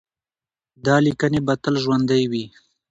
دا لیکنې به تل ژوندۍ وي.